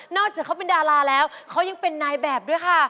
อกจากเขาเป็นดาราแล้วเขายังเป็นนายแบบด้วยค่ะ